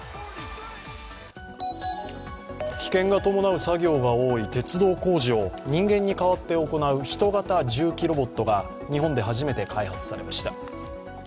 危険が伴う作業が多い鉄道工事を人間に代わって行うヒト型重機ロボットが日本で初めて開発されました。